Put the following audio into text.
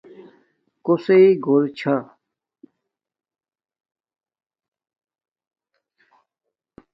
کوسݵ گھور چھا